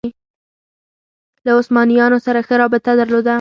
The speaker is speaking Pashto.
له عثمانیانو سره ښه رابطه درلوده